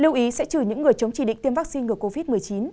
lưu ý sẽ trừ những người chống chỉ định tiêm vaccine ngừa covid một mươi chín